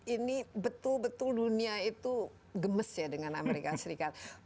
ini betul betul dunia itu gemes ya dengan amerika serikat